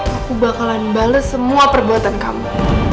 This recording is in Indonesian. aku bakalan bales semua perbuatan kamu